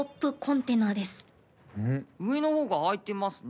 上の方が開いてますね。